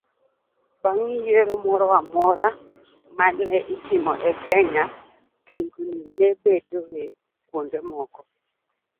Bang' yiero moro amora ma ne itimo e Kenya, tungni ne bedoe kuonde moko